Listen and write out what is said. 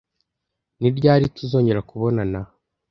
Ni ryari tuzongera kubonana